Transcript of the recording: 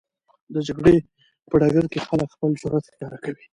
د جګړې په ډګر کې خلک خپل جرئت ښکاره کوي.